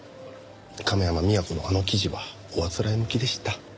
亀山美和子のあの記事はおあつらえ向きでした。